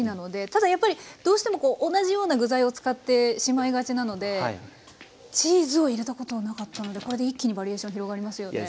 ただやっぱりどうしても同じような具材を使ってしまいがちなのでチーズを入れたことはなかったのでこれで一気にバリエーション広がりますよね。